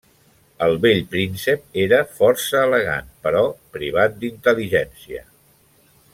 El vell príncep era força elegant, però privat d'intel·ligència.